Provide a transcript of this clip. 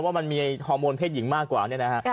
ก็มันมีฮอร์โมนเพศหญิงมากกว่า